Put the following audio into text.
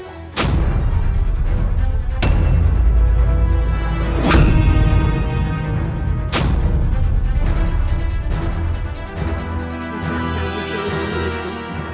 karena aku tidak butuh orang dungu sepertimu